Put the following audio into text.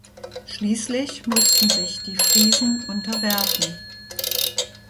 Schließlich mussten sich die Friesen unterwerfen.